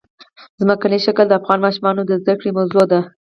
ځمکنی شکل د افغان ماشومانو د زده کړې موضوع ده.